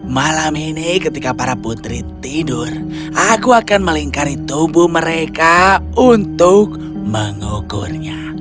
malam ini ketika para putri tidur aku akan melingkari tubuh mereka untuk mengukurnya